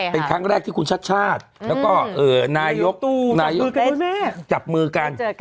เป็นครั้งแรกที่คุณชาติชาติแล้วก็นายกจับมือกัน